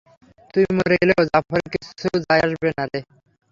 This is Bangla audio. তুই মরে গেলেও জাফরের কিচ্ছু যায় আসবে না রে।